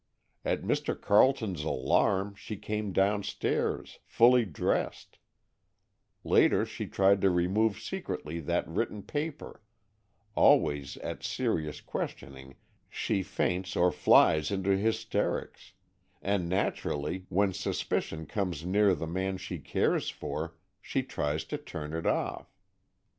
At Mr. Carleton's alarm, she came downstairs, fully dressed; later she tried to remove secretly that written paper; always at serious questioning she faints or flies into hysterics; and, naturally, when suspicion comes near the man she cares for, she tries to turn it off.